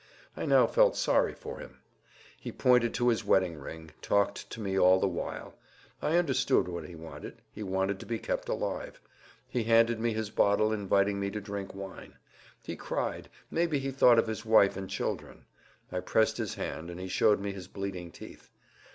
I now felt sorry for him. He pointed to his wedding ring, talking to me all the while. I understood what he wanted—he wanted to be kept alive. He handed me his bottle, inviting me to drink wine. He cried; maybe he thought of his wife and children. I pressed his hand, and he showed me his bleeding teeth.